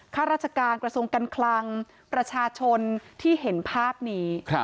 ข้าราชการกระทรวงการคลังประชาชนที่เห็นภาพนี้